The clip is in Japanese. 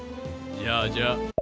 じゃあじゃあ。